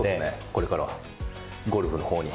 これからはゴルフの方に。